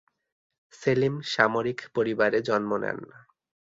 সেলিম সামরিক পরিবারে জন্ম নেন।